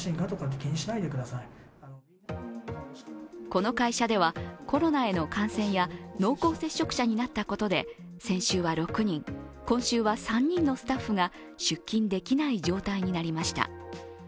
この会社ではコロナへの感染や濃厚接触者になったことで先週は６人、今週は３人のスタッフが出勤できない状態になりました。